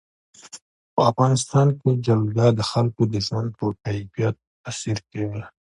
په افغانستان کې جلګه د خلکو د ژوند په کیفیت تاثیر کوي.